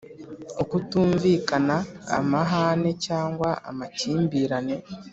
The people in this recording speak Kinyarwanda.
Ukutunvikana amahane cyangwa amakimbirane